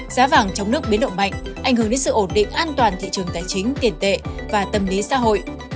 giá vàng trong nước biến động mạnh ảnh hưởng đến sự ổn định an toàn thị trường tài chính tiền tệ và tâm lý xã hội